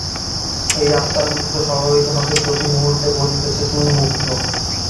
এই আত্মার মুক্ত স্বভাবই তোমাকে প্রতি মুহূর্তে বলিতেছে, তুমি মুক্ত।